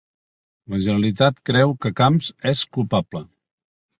La Generalitat creu que Camps és culpable